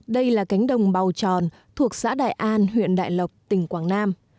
đây là cánh đồng bào tròn thuộc xã đại an huyện đại lộc tỉnh quảng nam